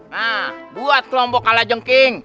nah buat kelompok alajong king